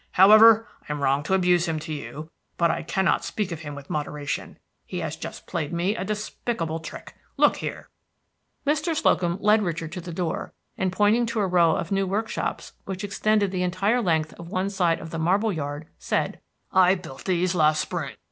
However, I am wrong to abuse him to you; but I cannot speak of him with moderation, he has just played me such a despicable trick. Look here." Mr. Slocum led Richard to the door, and pointing to a row of new workshops which extended the entire length of one side of the marble yard, said, "I built these last spring.